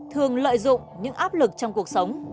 thường lợi dụng những áp lực trong cuộc sống